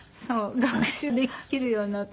学習ができるようになって。